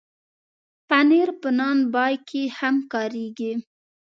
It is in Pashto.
پنېر په نان بای کې هم کارېږي.